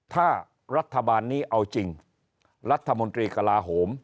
ถ้ารัฐบาลนี้เอาจริงรัฐมนตรีกลาโหม